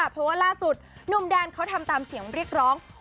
เพราะว่าล่าสุดหนุ่มแดนเขาทำตามเสียงเรียกร้อง